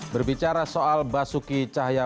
berbicara soal basuki cahaya